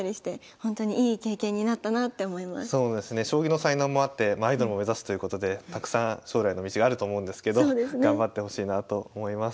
将棋の才能もあってアイドルも目指すということでたくさん将来の道があると思うんですけど頑張ってほしいなと思います。